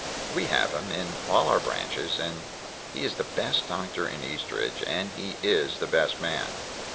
We have him, in all our branches; he is the best doctor in Eastridge, and he is the best man.